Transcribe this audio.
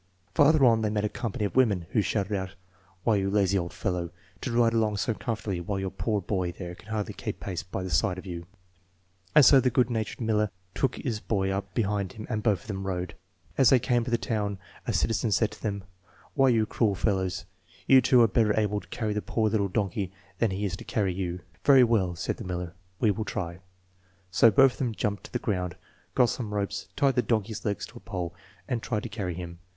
Farther on they met a company of women, who shouted out: "Why, you lazy old fellow, to ride along so comfortably while your poor boy there can hardly keep pace by the side of you !" And so the good natured miller took his boy up behind him and both of them rode. As they came to the town a citi zen said to them, "Why, you cruel fellows I You two are better able to carry the poor little donkey than he is to carry you* 9 " Very well" said ike miller, "we will try" So both of them jumped to the ground, got some ropes, tied the donkey's legs to a pole and tried to carry him.